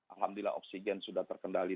alhamdulillah oksigen sudah terkendali